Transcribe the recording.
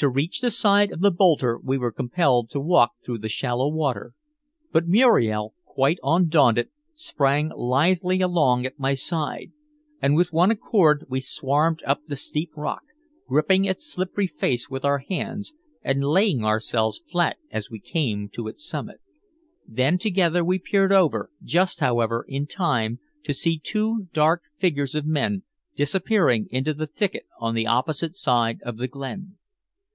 To reach the side of the boulder we were compelled to walk through the shallow water, but Muriel, quite undaunted, sprang lithely along at my side, and with one accord we swarmed up the steep rock, gripping its slippery face with our hands and laying ourselves flat as we came to its summit. Then together we peered over, just, however, in time to see two dark figures of men disappearing into the thicket on the opposite side of the glen.